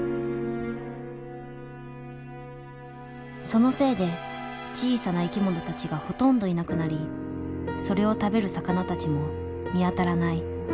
そのせいで小さな生き物たちがほとんどいなくなりそれを食べる魚たちも見当たらない。